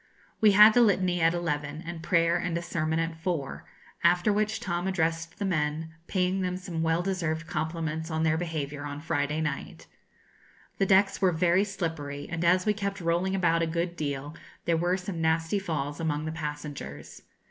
We had the Litany at eleven, and prayer and a sermon at four; after which Tom addressed the men, paying them some well deserved compliments on their behaviour on Friday night. The decks were very slippery, and as we kept rolling about a good deal there were some nasty falls among the passengers.